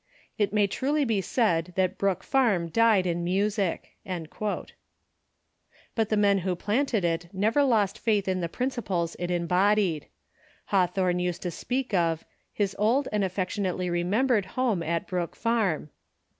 It may truly be said that Brook Farm died in music."* But the men who ])lanted it never lost faith in the principles it embodied. Hawthorne used to speak of "his old and aflTectionately remembered home at Brook Farm."